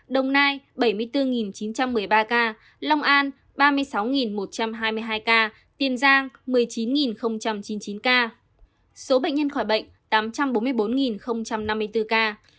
đồng nai bảy mươi bốn chín trăm một mươi ba ca long an ba mươi sáu một trăm hai mươi hai ca tiền giang một mươi chín chín mươi chín ca số bệnh nhân khỏi bệnh tám trăm bốn mươi bốn năm mươi bốn ca